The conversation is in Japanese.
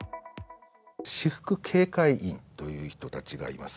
私服警戒員という人たちがいます。